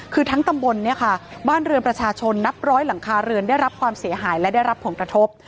คือทั้งตำบลเนี่ยค่ะบ้านเรือนประชาชนนับร้อยหลังคาเรือนได้รับความเสียหายและได้รับผลกระทบ